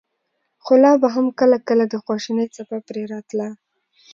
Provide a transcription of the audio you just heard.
خو لا به هم کله کله د خواشينۍڅپه پرې راتله.